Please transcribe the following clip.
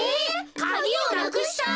カギをなくした？